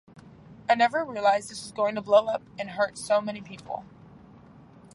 I never realized this was going to blow up and hurt so many people.